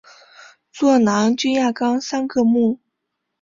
座囊菌亚纲三个目。